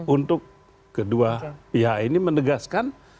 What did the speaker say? untuk kedua pihak ini menegaskan